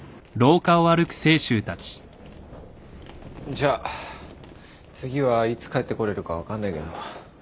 じゃあ次はいつ帰ってこれるか分かんないけど。